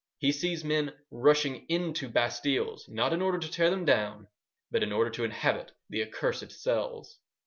He sees men rushing into Bastilles, not in order to tear them down, but in order to inhabit the accursed cells.